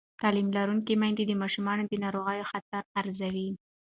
تعلیم لرونکې میندې د ماشومانو د ناروغۍ خطر ارزوي.